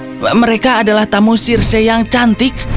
orang orangmu ya mereka adalah tamu sirse yang cantik